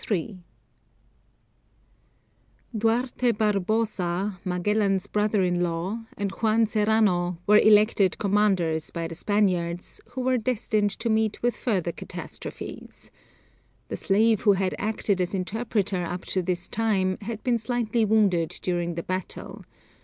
] Duarte Barbosa, Magellan's brother in law, and Juan Serrano were elected commanders by the Spaniards, who were destined to meet with further catastrophes. The slave who had acted as interpreter up to this time had been slightly wounded during the battle.